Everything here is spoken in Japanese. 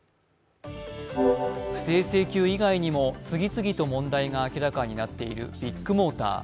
不正請求以外にも次々と問題が明らかになっているビッグモーター。